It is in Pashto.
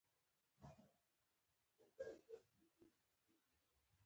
ازادي راډیو د د ماشومانو حقونه په اړه د خلکو وړاندیزونه ترتیب کړي.